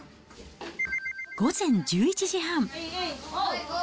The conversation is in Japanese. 午前１１時半。